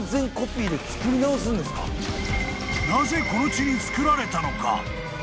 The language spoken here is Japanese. ［なぜこの地に造られたのか？］